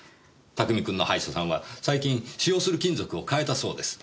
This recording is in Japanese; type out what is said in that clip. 拓海君の歯医者さんは最近使用する金属を変えたそうです。